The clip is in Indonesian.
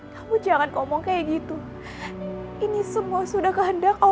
kamu jangan ngomong kayak gitu ini semua sudah kehendak oh